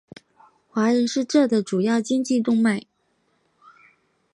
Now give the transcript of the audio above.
华人是这的主要经济动脉。